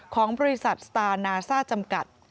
ของบริษัทสตาร์นาซ่าจำกัด